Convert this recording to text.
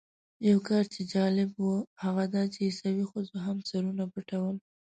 یو کار چې جالب و هغه دا چې عیسوي ښځو هم سرونه پټول.